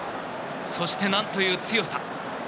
そして、なんという強さ！